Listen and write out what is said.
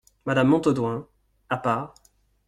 Madame Montaudoin , à part.